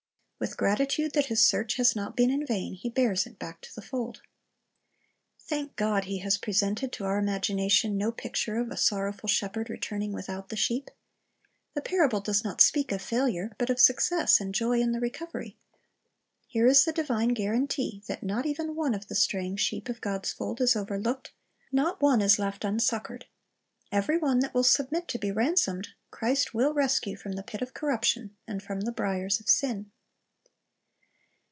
With gratitude that his search has not been in vain, he bears it back to the fold. Thank God, He has presented to our imagination no picture of a sorrowful shepherd returning without the sheep. The parable does not speak of failure, but of success, and joy in the recovery. Here is the divine guarantee that not even one of the straying sheep of God's fold is overlooked, not one is left unsuccored. Every one that will submit to be ransomed, Christ will rescue from the pit of corruption, and from the briers of sin.